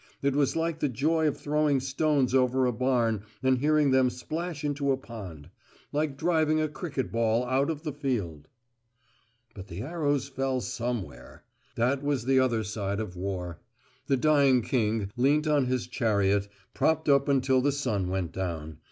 It was like the joy of throwing stones over a barn and hearing them splash into a pond; like driving a cricket ball out of the field. But the arrows fell somewhere. That was the other side of war. The dying king leant on his chariot, propped up until the sun went down.